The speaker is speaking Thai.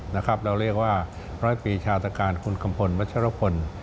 เราเรียกว่าร้อยปีชาตการคุณกัมพลวัชรพล